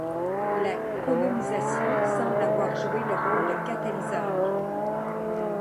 La colonisation semble avoir joué le rôle de catalyseur.